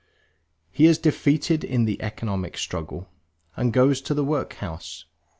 He is defeated in the economic struggle, and goes to the workhouse.